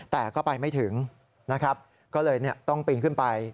แต่ก็ไปไม่ถึงนะครับก็เลยต้องปีนขึ้นไป